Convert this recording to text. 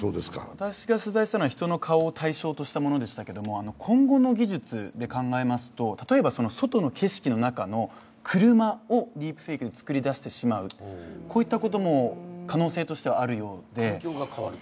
私が取材したのは人の顔を対象としたものでしたが今後の技術で考えますと、例えば外の景色の中の車をディープフェイクで作り出してしまう、こういったことも可能性としてはあるようで。